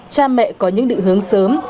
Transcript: cha mẹ có những định hướng sớm